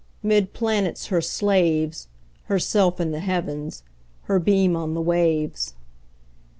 'Mid planets her slaves, Herself in the Heavens, Her beam on the waves.